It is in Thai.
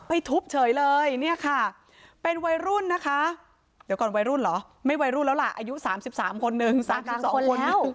ทุบเฉยเลยเนี่ยค่ะเป็นวัยรุ่นนะคะเดี๋ยวก่อนวัยรุ่นเหรอไม่วัยรุ่นแล้วล่ะอายุ๓๓คนนึง๓๒คน